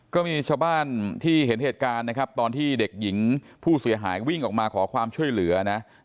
ก็มีชาวบ้านที่เห็นเหตุการณ์นะครับตอนที่เด็กหญิงผู้เสียหายวิ่งออกมาขอความช่วยเหลือนะ